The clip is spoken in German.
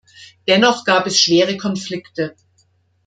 Dennoch gab es schwere Konflikte.